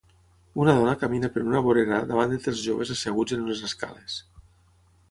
Una dona camina per una vorera davant de tres joves asseguts en unes escales.